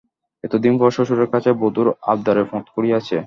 এতদিন পরে শ্বশুরের কাছে বধূর আবদারের পথ খুলিয়াছে।